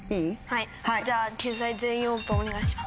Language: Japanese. じゃあ救済「全員オープン」お願いします。